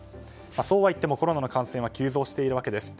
そうはいってもコロナ感染は急増しているわけです。